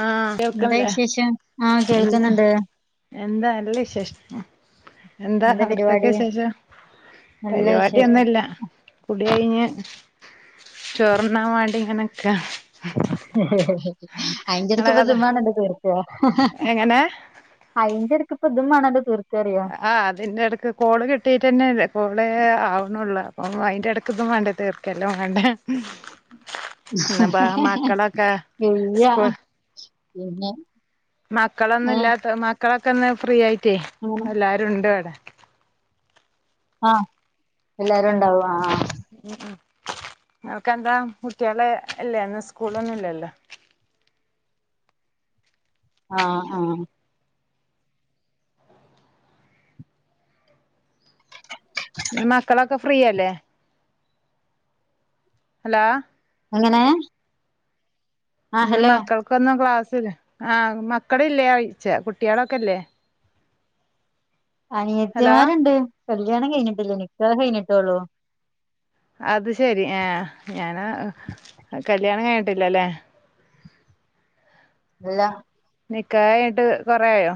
ആ എന്താ കേൾക്കണ്ട് വിശേഷം ആഹ് എന്താ കേൾക്കുന്നുണ്ട് എന്താ നല്ല വിശേഷം എന്താ അവിടത്തക്കെ വിശേഷം നല്ല പരിപാടിയൊന്നും വിശേഷം ഇല്ല കുടി കഴിഞ്ഞ് ചോറുണ്ണാൻ വേണ്ടി ഇങ്ങനെ നിക്കുവ അയിൻ്റെ ഇടയ്ക്ക് നിങ്ങളെ ഇവർ കഥ സിനിമ കണ്ട എങ്ങനെ അയിന്റെ ഇടക്ക് ഇപ്പം ഇതും വേണല്ലോ തീർ ആ അതിന്റെ അടുക്ക് കോള് കട്ട്ചെയ്തട്ട് തന്നെ കോള് ആവണള്ളൂ അപ്പം അ ഇടക്കതും വേണ്ടേ തീർക്കലും വേണ്ടേ ഇന്നിപ്പോ മക്കളൊക്കെ വയ്യാ സ്കൂൾ പിന്നെ മക്കളൊന്നും ഏഹ് ഇല്ലാത്ത മക്കളൊക്കെ ഒന്ന് ഫ്രീ ആയിട്ടേ അങ്ങനെ എല്ലാരും ഉണ്ട് ഇവിടെ ആ എല്ലാരും ഉണ്ടാവും ആ ഉം നിങ്ങക്ക് എന്താ കുട്ടികളെ ഇല്ലേ ഇന്ന് സ്കുളളൊന്നും ഇല്ലല്ലോ ആ ആ ന്ന് മക്കളൊക്കെ ഫ്രീയല്ലേ ഹലോ എങ്ങനെ ഇന്ന് മക്കൾക്കൊന്നും ക്ലാസ്സില്ല ആ മക്കള് കല്യാണം കഴിച്ച കുട്ടികളെക്കെല്ലേ ഹലോ അനിയത്തിമാരുണ്ട് കല്യാണം കഴിഞ്ഞിട്ടില്ല നിക്കഹ് കഴിഞ്ഞിട്ടോള്ളൂ അത് ശരി ആ ഞാന് കല്യാണം കഴിഞ്ഞിട്ടില്ലല്ലെ അല്ല നിക്കഹ് കഴിഞ്ഞിട്ട് കൊറേ ആയോ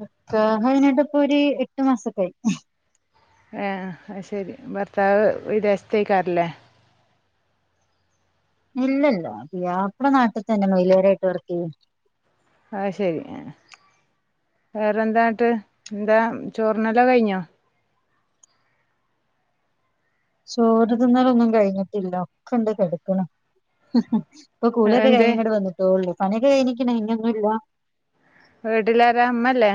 നിക്കാഹ് കഴിഞ്ഞിട്ട് ഇപ്പൊ ഒരു എട്ട് മാസക്കെ ആയി ആ അത് ശരി ഭർത്താവ് വിദേശത്തേക്കാറല്ലേ ഇല്ലില്ല പുയാപ്പിള നാട്ടിൽത്തന്നെ മൈലോരയായിട്ട് വർക്ക് ചെയ്യുന്നു അത് ശരി ആ വേറെന്തായിട്ട് എന്താ ചോറിനെല്ലാം കഴിഞ്ഞോ ചോറ്തിന്നാല് ഒന്നും കഴിഞ്ഞിട്ടില്ല ഒക്കെ ഉണ്ട് കിടക്കണം ഇപ്പം കൂളിയെക്കെ എന്തേ കഴിഞ്ഞ് ഇങ്ങോട്ട് വന്നിട്ടേ ഉള്ളു പണിയൊക്കെ കഴഞ്ഞേക്കണ് ഇനിയൊന്നും ഇല്ല വീട്ടിലാര അമ്മയില്ലേ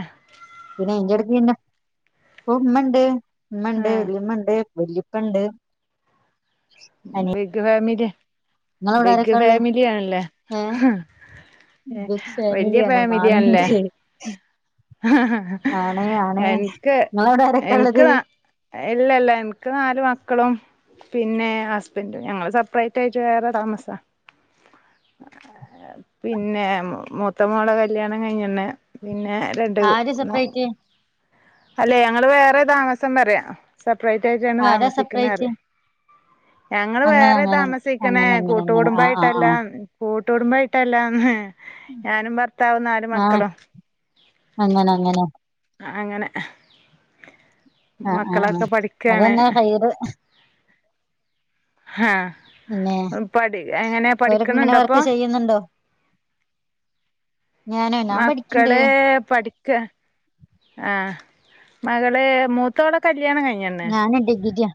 പിന്നെ അയിൻ്റെയിടക്ക് പിന്നെ ഓ ഉമ്മ ഉണ്ട് ഉമ്മ ഉണ്ട് ആഹ് വല്യമ്മ ഉണ്ട് വല്യപ്പ ഇണ്ട് ബിഗ് ഫാമിലി ഇങ്ങളവിടെ ബിഗ് ആരൊക്കെ ഉള്ളെ ഫാമിലി ആണല്ലേ ഏഹ് ല്ലേ ബിഗ് വലിയ ഫാമിലിയാണ് ഫാമിലിയണല്ലേ മാമിണ്ട് ആണ് ആണ് എനിക്ക് ഇങ്ങളവിടെ ആരൊക്കെ എനിക്ക് ഉള്ളത് നാ ഇല്ല ഇല്ല എനിക്ക് നാല് മക്കളും പിന്നെ ഹസ്ബൻഡും ഞങ്ങള് സെപ്പറേറ്റ് ആയിട്ട് വേറെ താമസാ ആ പിന്നെ മൂത്ത മോള കല്യാണം കഴിഞ്ഞന്നെ പിന്നെ രണ്ട് ആര് മൂ സെപ്പറേറ്റ് അല്ലെ ഞങ്ങള് വേറെ താമസം പറയാം ഫ്രൈഡേജാണ് ആരാ താമസിക്കുന്നത് സെപ്പറേറ്റ് പറയ് ഞങ്ങള് അങ്ങനെ വേറെ അങ്ങനെ താമസിക്കണേ അങ്ങനെ അങ്ങനെ അങ്ങനെ ആഹ് ആഹ് കൂട്ടുകടുംബായിട്ടെല്ലാം ആഹ് കൂട്ട കുടുംബയിട്ടല്ലാം ഞാനും ഭർത്താവും നാല് ആഹ് മക്കളും. [unintelligible] അങ്ങനെ അ അ അ മക്കളൊക്കെ പഠിക്കാണ് അതന്നെ ഹൈർ ആഹ പിന്നെ എങ്ങനെയ ഓരൊക്കെ ഇങ്ങനെ പഠിക്കണണ്ടോപ്പൊ വർക്ക് [unintelligible] ചെയ്യുന്നുണ്ടോ ഞാനോ ഞാൻ പഠിക്ക്ണ്ട് മക്കളെ പഠിക്കാ ആ. മകളെ മൂത്തോളെ കല്യാണം ഞാൻ ഡിഗ്രിയാ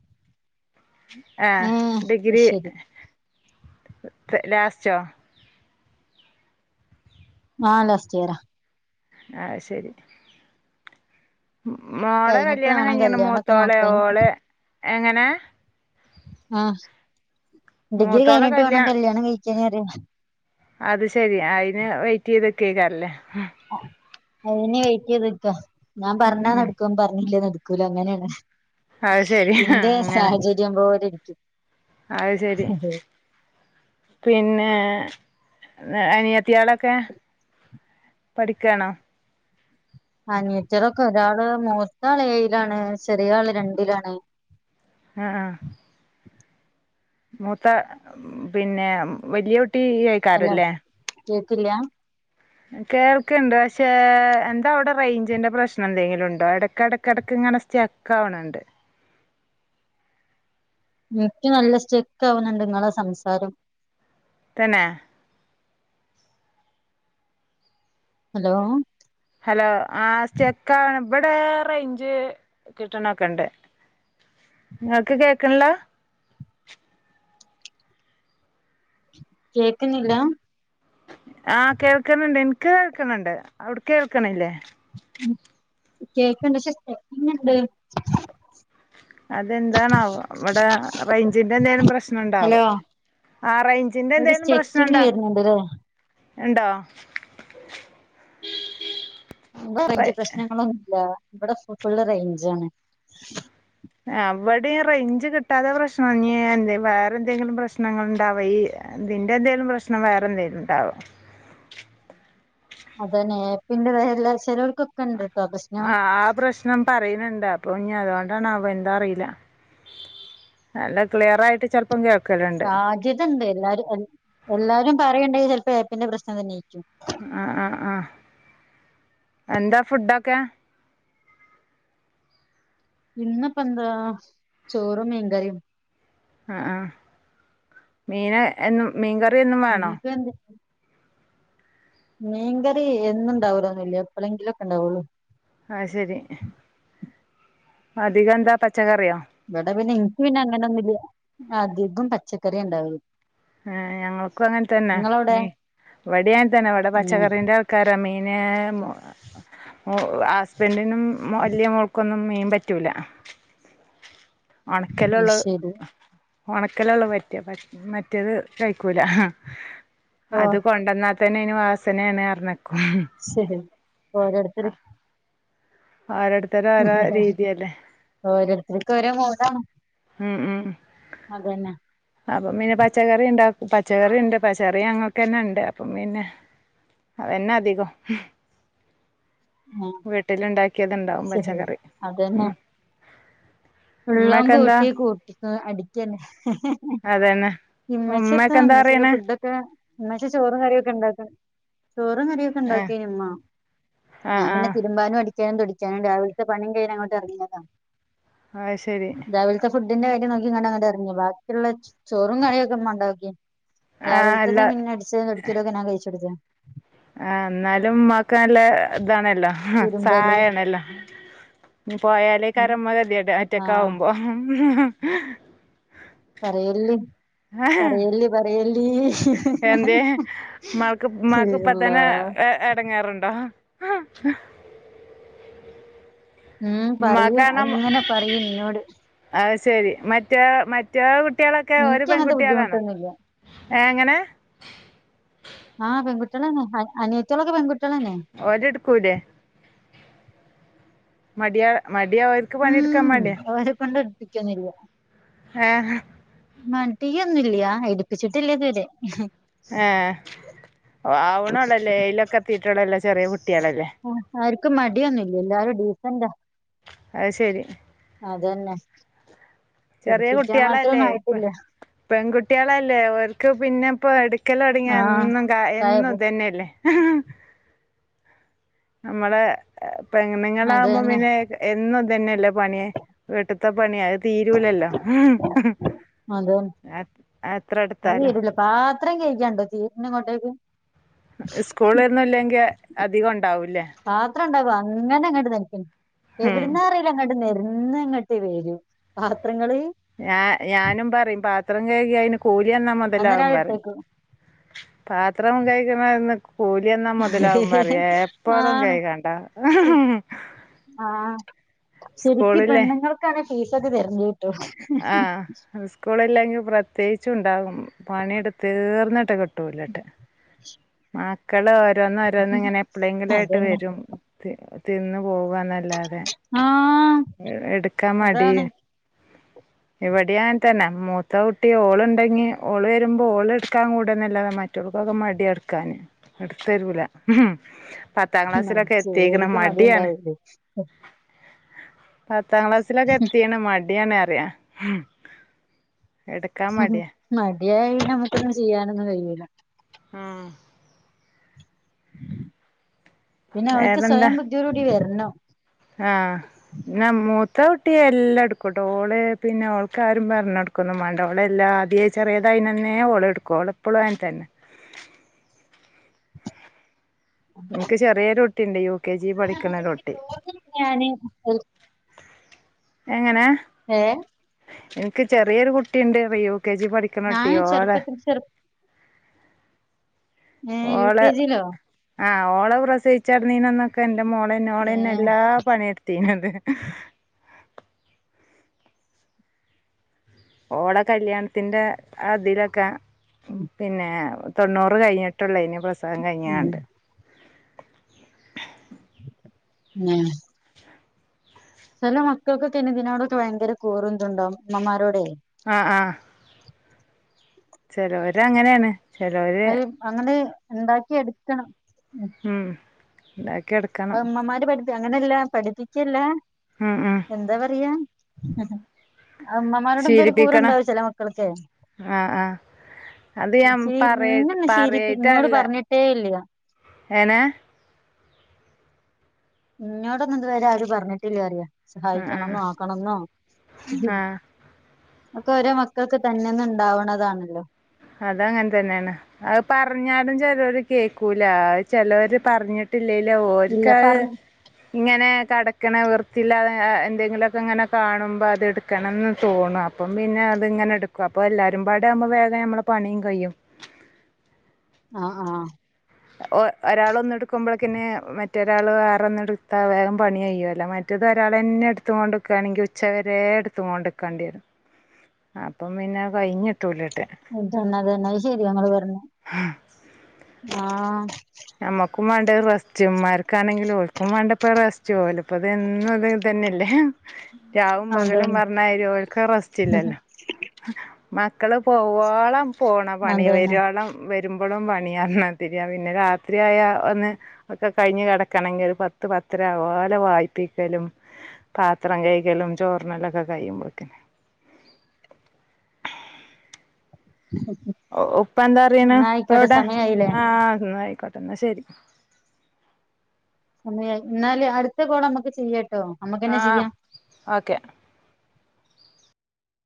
ഏഹ് ആഹ ഡിഗ്രി അയ്ശരി ലാസ്റ്റോ ആ ലാസ്റ്റ് ഇയറാ അ ശരി മോളെ കഴിഞ്ഞിട്ട് കല്യാണം വേണം കഴിഞ്ഞിണ് കല്യാണൊക്കെ മൂത്തോളെ നോക്കാന് ഓളെ എങ്ങനെ. ആ ഡിഗ്രി മൂത്തോളെ കഴിഞ്ഞിട്ട് കല്യാ വേണം കല്യാണം കഴിക്കന്നറിയാൻ അത് ശെരി അയിന് വൈറ്റ് എയ്ത് നിക്കയ്ക്കാരം ല്ലെ അയിനു വൈറ്റിത്ക്കാ ഞാൻപറഞ ഉം നടക്കും പറഞ്ഞില്ലേ നടക്കൂല അങ്ങനെയാണ് അത് ശരി ഇന്റെ അങ്ങനെ സാഹചര്യം പോലെരി അത് ശരി പിന്നെ അനിയത്തിയാളൊക്കെ പഠിക്കാണോ അനിയത്തിയാളൊക്കെ ഒരാള് മൂത്ത ആള് ഏഴിലാണ് ചെറിയ ആള് രണ്ടിലാണ് ആ ആ മൂത്ത പിന്നെ വലിയ കുട്ടിയ്യ് ഹലോ അയ്ക്കാരല്ലേ കേക്കില്ല കേൾക്കുണ്ട് പക്ഷെ എന്താ അവിടെ റേഞ്ചിന്റെ പ്രശ്ന എന്തെങ്കിലും ഉണ്ടോ എടക്ക് എടക്ക് എടക്ക് ണ സ്റ്റക്കാവണണ്ട് എനിക്ക് നല്ല സ്റ്റെക്ക് ആവുന്നുണ്ട് നിങ്ങളെ സംസാരം തന്നെ ഹലോ ഇവിടെറെ ഇഞ്ച് കിട്ടണൊക്കെണ്ട് ങ്ങക്ക് കേക്കണില്ല കേക്കുന്നില്ല ആ കേൾക്കണണ്ട് എനിക്ക് കേൾക്കണണ്ട് അവിട്ക്ക് കേൾക്കണില്ലേ കേൾക്കുന്നുണ്ട് പക്ഷേ സ്റ്റക്കിങ്ണ്ട് അതെന്താണാവോ ഇവിടെ റേഞ്ചിന്റെ എന്തെിലും പ്രശ്നം ഉണ്ടാവോ ഹലോ ആറേഞ്ചിന്റെ എന്തേലും പ്രശ്ന ഇണ്ടോ. ഓ ഇണ്ടോ ഇവിടെ റെയിഞ്ച് പ്രശ്നങ്ങളൊന്നുമില്ല ഇവിടെ ഫുൾ റേഞ്ച് ആണ് അ ഇവിടെ റേഞ്ച് കിട്ടാതെ പ്രശ്നന്ത വേറെ എന്തെങ്കിലും പ്രശ്നങ്ങൾ ഇണ്ടാവയി ഏ തിന്റെ എന്തേലും പ്രശ്നം വേറെ എന്തേലും ഉണ്ടാവോ അതന്നെ ആപിന്റെ വേ [unintelligible] ആ ആ പ്രശ്നം പറയുന്നുണ്ടാ അപ്പൊ ഇനി അതുകൊണ്ടാണൊ എന്താ അറിയില്ല നല്ല ക്ലിയർ ആയിട്ട് ചെല സാധ്യതണ്ട് എല്ലാരും എല്ലാരും പറയണ്ടെൽ ചിലപ്പോ ഏപ്പിന്റെ പ്രശ്നം തന്നെ ആരിക്കും ആ ആ ആ എന്താ ഫുഡൊക്കെ ഇന്നപ്പ എന്താ ചോറും മീൻകറിയും ആ ആ മീന എന്നും മീൻ ക നിങ്ങൾക്ക് എന്ത് മീൻകറി എന്നുണ്ടാവുല്ലന്നല്ല എപ്പളെങ്കിലും ഒക്കെ ഉണ്ടാവുള്ളൂ ആ ശരി അധികന്താ പച്ച ഇവിടെ പിന്നെ ഇൻക്ക് പിന്നെ അങ്ങന ഒന്നുമില്ല അധികം പച്ചക്കറി ഉണ്ടാവ ആ ഞങ്ങൾക്കും അങ്ങനെ തന്നെ മീ ഇവിടെ യങ്ങനെതന്നെ ഇവിടെ പച്ചക്കറിന്റെ ആൾക്കാരാ മീ പിന്നെ [unintelligible] ഹസ്ബൻഡിനും വലിയ മോൾക്കൊന്നും മീൻ പറ്റൂലാ ഏഹ് ഒണക്കലള്ളു ശരി ഒണക്കലള്ളൂ പറ്റ പ മറ്റേത് കഴിക്കൂല ഓ അത് കൊണ്ടന്നാ തന്നെ ഇന് വാസനയാണ് പർഞ്ഞ ശരി ഓരോരുത്തര് ആരുട്ത്തോരോ രീതിയല്ലേ ഓരോരുത്തർക്ക് ഓരോ മൂടാണ് ഉം ഉം അതന്നെ അപ്പൊ പിന്നെ പച്ചക്കറി ഉണ്ടാ പച്ചക്കറി ഉണ്ട് പച്ചക്കറി അങ്ങക്കന്നെ ഉണ്ട് അപ്പം പിന്നെ അതന്നെ അധികം ആഹ് വീട്ടിലുണ്ടാക് ക്ക്യത്ണ്ടാവും ശരി പച്ചക്കറി ഉം ഉള്ളം ഉമ്മക്കെന്താ കൂട്ടി കൂട്ടി അടിക്കന്നെ അതന്നെ ഇമ്മച്ചി ഒക്കെ ഉമ്മക്കെ എന്താ ഇമ്മച്ചി പറയണേ ഫുഡൊക്കെ ഉമ്മച്ചി ചോറ് കറിയൊക്കെ ഉണ്ടാക്കും ചോറും ആ കറിയൊക്കെണ്ടാക്കിയിമ്മ ആ ഞാൻ ആ പിന്നെ തിരുമ്പാനും അടി കാൻ പിടിക്കാനുണ്ട് രാവിലത്തെ പണിം കഴിഞ്ഞ് അങ്ങോട്ട് എറങ്ങിയതാ ആ ശരി [unintelligible] എർങ്ങി ബാക്കിള്ളെ ചോറും കറി ഒക്കെ മ്മ ണ്ടാക്കി ആ അല്ല രാവിലത്തത് പിന്നെ അട്ച്ചലും തൊടക്കലൊക്കെ ഞാൻ കഴിച്ചടുത് ആ എന്നാലും ഉമ്മാക്ക് നല്ല ഇതാണല്ലോ തിരുമ്പല് സായേണല്ലോ പോയാലേകരമ്മ കത്യട ഒറ്റക്ക് ആഹ് ആവുമ്പോ പറയെല്ലി പറയെല്ലി പറയെല്ല് എന്തേ മാക്ക് മാക്ക് അള്ളാ ഇപ്പത്തനെ എടങ്ങേർണ്ടോ ആ ഉം പറയും അങ്ങനെ പറയും ഇന്നോട് അത് ശരി മറ്റേ മറ്റേ കുട്ടികളൊക്കെ ഒരു ഇൻക്ക് അങ്ങനത്തെ പെൺകുട്ടികളാണോ ബുദ്ധിമുട്ടൊന്നുല്ല എ എങ്ങനെ ആ പെൺകുട്ടികളാണ് അൻ അനിയത്തിളൊ ഓരടുക്കൂലെ മടിയാ മടി അവർക്ക് പണിയെടുക്കാ മടിയ ക്കുന്നില്ല ഹേഹ് മടിയൊന്നുല്യാ എടിപ്പിച്ചിട്ടില്ല ഇതുവരെ ഏ ആവണള്ളുല്ലേ ഏഴിലേക്ക്ത്തിട്ടുള്ളല്ലേ ചെറിയ കുട്ടികളല്ലേ ക്ക് മടിയൊന്നുല്ല എല്ലാരും ഡീസന്റാ അത് ശരി അതന്നെ ചെറിയ എടുപ്പിക്കാൻ കുട്ടികളല്ലേ മാത്രൊന്നും ആയിട്ടില്ല പെൺകുട്ടികളല്ലേ അവർക്ക് പിന്നെ ഇപ്പൊ എടുക്കലൊട്ങ്ങിയ ആഹ് എന്നും കാ എന്നും കായപോ ഇതന്നെയല്ലേ നമ്മള് പെണ്ണുങ്ങളാമ്പോ അതന്നെ പിന്നെ എന്നും തന്നെയല്ലേ പണി വീട്ടിത്തെ പണിയാ ഇട് യൂലല്ലോ അതന്നെ എ എത്ര അത് ഇട്ത്താലും തീരൂല [unintelligible] [unintelligible] സ്കൂള് ഇന്നുല്ലെങ്കിൽ അധികം ഉണ്ടാവൂല്ലേ പാത്രം ഉണ്ടാകും അങ്ങനെ അങ്ങട്ട് [unintelligible] ഉം എവിടുന്ന അറീല ങ്ങട്ട് നെര്ന്ന് ഇങ്ങട്ട് വരും ആ ഞാ ഞാനും പറയും പാത്രം കഴുകി അയിന് കൂലിന്നാ അന്നേരം മുതലാകും അവിടെ പറയും ഇട്ടേക്കും പാത്രം കഴിക്കണന്ന് കൂലിയന്നാ മൊതലാകുമ്പറിയ എപ്പളും കഴികണ്ട ഉം ആ ശരിക്ക് പെണ്ണുങ്ങൾക്കാണ് ഫീസ് ഒക്കെ തര്ണ്ടയ് ആ സ്കൂള് ഇല്ലെങ്കിൽ പ്രത്യേകിച്ചും ഉണ്ടാകും പണിയെടു തീർന്നി ട്ട് കിട്ടൂലട്ട് മക്കൾ ഓരോന്ന് ഓരോന്ന് ഇങ്ങനെ എപ്പ്ളേങ്കിലു ആയിട്ട് അതന്നെ വരും തി തിന്ന് പോകന്നല്ലാതെ ആഹ് എ എടുക്കാ മടി അതാണ് ഇവിടെയാൻതന്നെ മൂത്ത കുട്ടി ഓള്ണ്ടെങ്കി ഓള് വരുമ്പോ ഓള് ട്ക്കാൻ കൂടന്നല്ലാതെ മറ്റു ക്കൊക്കെ മടിയ ഇട്ക്കാന് ഇട്ത്തരൂല പത്താം ക്ലാസ്സിലൊക്കെ എത്തിക്കണ് മടിച്ചോരിക്ക് മടി മടിയാണ് ഉണ്ടാവൂലേ പത്താം ക്ലാസ്സിലൊക്കെ എത്തീണ് മടിയാണ് അറിയാ എടുക്കാ മടിയാ അതിയായി നമുക്കൊന്നും ചെയ്യാനൊന്നും കഴിയില്ല ആഹ പിന്നെ അവൾക്ക് സ്വയം ബുദ്ധിയോട കൂടി വരണോ ആഹ ാ മൂത്ത കുട്ടിയ എല്ലാം എടുക്കും ഡടോള് പിന്നെ അവൾക്കാരും പറഞ്ഞഞ്െടുക്കുന്നു മണ്ടോള എല്ലാം ആദ്യ ചെറിയത അതിനന്ന്നെ ഓള എടുക്കുവോള എപ്പോളും അയിന് തന്നെ എനിക്ക് ചെറിയൊരുൊട്ടിുണ്ട് യു കെ ജി പഠിക്കുന്നരുൊട്ടി ഞാന് എങ്ങനെ ഹഹ എനിക്ക് ചെറിയൊരു കുട്ടിയുണ്ട് യു കെ ജി ഞാൻ പഠിക്കണട്ടിയോടെ ചെറുപ്പത്തിൽ ചെറു ഏ യു കെ ജിയിലോ ആ ഓളവ പ്രസയിിച്ചാ നീനന്നൊക്കെ എ മോളൻ ഏ മോളേൻ എല്ലാ പണിയെടുത്തീനത് ഓട കല്യാണത്തിന്റെ അതിലൊക്കെ പിന്നെ തൊണ്ണൂറ് കഴിഞ്ഞിട്ടുള്ളേ ഇന് പ്രസാദം കഴിഞ്ഞാണ്ട് ഉം ചില മക്കൾക്കൊക്കെ ഇനിെതിനോടൊക്കെ ഭയങ്കര കൂറതുണ്ടോ അമ്മമാരോടെ ആഹ ആഹ ചല ഒര് അങ്ങനെയാണ് അത് അങ്ങനെ ഉണ്ടാക്കി എടുക്കണം ന അമ്മ്മാര് പഠിപ്പ അങ്ങനെയല്ല പഠിപ്പിക്കല്ലേ ഉം. ഉം എന്താ പറയാ ഉമ്മമാരോട് എന്തോ ഒരു ശീലിപ്പിക്കണ കൂറുണ്ടാവും ചില മക്കൾക്ക് ആഹ ആഹ അത് ഞാൻ ചേച്ചി പറയ ഇന്നൊന്നും ശീലിപ്പി ഇന്നോട് പറയട്ടല്ല പറഞ്ഞിട്ടേ ഇല്ല നെ നിങ്ങോടൊന്നും ഇതുവരെ ആരും പറഞ്ഞിട്ടില്ല അറിയ ആ ആ സഹായിക്കണംന്നോ ആക്കണംെന്നോ ആ ഒക്കെ ഓരോ മക്കൾക്ക് തന്നെയ ഒന്ന ഉണ്ടാവണതാണല്ലോ അതങ്ങനെ തന്നെയാണ് അത് പറഞ്ഞാലും ചിലര് കേക്കൂല ചിലര് പറഞ്ഞിട്ട് ഇല്ലല്ലേ ഒക്ക ഇല്ല പറഞ്ഞ് ഇങ്ങനെ കടക്കണ വെൃത്തില്ല എന്തെങ്കിലുമൊക്കെ ഇങ്ങനെ കാണുമ്പോൾ അത് എടുക്കണംെന്ന് തോന്നും അപ്പം പിന്നെ അത് ഇങ്ങനെ എടുക്കും അപ്പൊ എല്ലാരും പാട ആ വേഗം നമ്മളെ പണിയും കഴിയും ആഹ ആഹ് ഒരാൾ ഒന്ന എടുക്കുമ്പോഴേക്കെ മറ്റൊരാൾ ആറെൊന്ന എടുത്താ വേഗം പണി ചെയയ്യുവല്ല മറ്റ ഇത് ഒരാൾ എന്നെ എടുത്ത കൊണ്ട് വക്കുകയാണെങ്കിൽ ഉച്ചകരെ എടുത്ത കൊണ്ട വക്കാേണ്ടി വരാണ് അപ്പം പിന്നെ കഴിഞ്ഞിട്ട് അതന്നെ അതന്നെ ശരി ഞങ്ങ പറണെ ആഹ റസ്റ്റന്മാർക്കാണെങ്കിലുംഓക്കും വേണ്ടപ്പോ റസ്റ്റ് ഓലപ്പത എന്നും അത് തന്നെയല്ലേ രാവും പകലും അതന്നെ പറഞ്ഞലവർക് റെസ്റ്റില്ലാലോ മക്കള് പോവോളം പോണ പണി അതന്നെ വരുവോളം വ വരുമ്പോഴും പണിയ [unintelligible] പിന്നെ രാത്രി ഒത്തിരിയായ ഒന്ന് ഒക്കെ കഴിഞ്ഞു കിടക്കണമെങ്കിൽ പത്ത് പത്തര അതു പോലെ വായിപ്പിക്കലും പാത്രം കൈകലും ചോറുണ്ണലൊക്കെ കഴിയുമ്പോഴതേന് [unintelligible] ഉപ്പ എന്താ അറിയിനെ ഇന്നാ ആയിക്കോട്ടെ ഉപ്പഎവുടെ സമയായില്ലേ ആഹ് എന്ന ആയിക്കോട്ടെ എന്ന ശരി സമയായി എന്നാൽ അടുത്ത കാൾ നമ്മക്ക് ചെയ്യാ കേട്ടോ നമുക്കന്നെ ആഹ് ചെയ്യാം ഓക്കെ